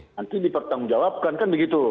nanti dipertanggungjawabkan kan begitu